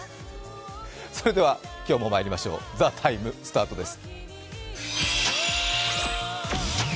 それでは今日もまいりましょう、「ＴＨＥＴＩＭＥ，」スタートです。